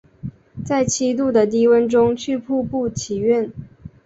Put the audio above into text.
在七度的低温中去瀑布祈愿